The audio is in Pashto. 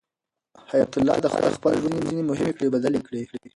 حیات الله د خپل ژوند ځینې مهمې پرېکړې بدلې کړې.